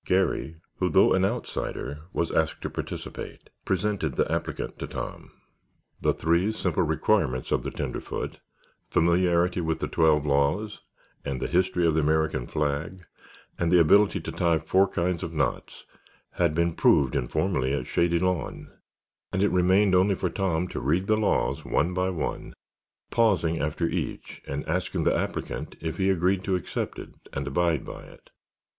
Garry, who, though an outsider, was asked to participate, presented the applicant to Tom. The three simple requirements of the tenderfoot—familiarity with the twelve laws and the history of the American flag, and the ability to tie four kinds of knots—had been proved informally at Shady Lawn and it remained only for Tom to read the laws one by one, pausing after each and asking the applicant if he agreed to accept it and abide by it.